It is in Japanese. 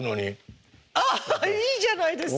あいいじゃないですか！